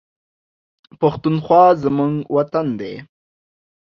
پښتونخوا زموږ وطن دی